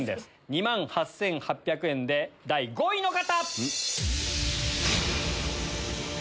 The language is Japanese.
２万８８００円で第５位の方！